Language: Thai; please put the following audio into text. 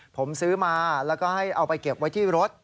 ผมซื้อมาแล้วก็ให้เอาไปเก็บไว้ที่รถ